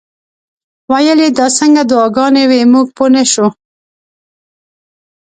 ویل یې دا څنګه دعاګانې وې موږ پوه نه شو.